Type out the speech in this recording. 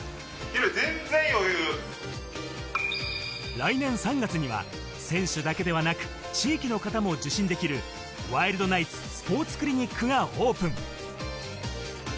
来年３月には選手だけではなく、地域の方も受診できるワイルドナイツスポーツクリニックがオープン。